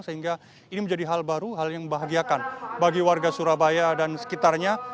sehingga ini menjadi hal baru hal yang membahagiakan bagi warga surabaya dan sekitarnya